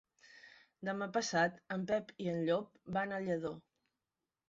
Demà passat en Pep i en Llop van a Lladó.